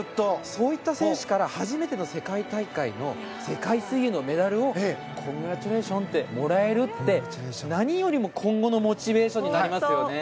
そういった選手からの初めての世界水泳のメダルをコングラッチュレーションズともらえるって何よりも今後のモチベーションになりますよね。